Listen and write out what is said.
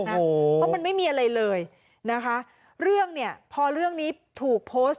เพราะมันไม่มีอะไรเลยนะคะเรื่องเนี่ยพอเรื่องนี้ถูกโพสต์